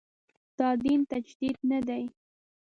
دا دین تجدید نه دی.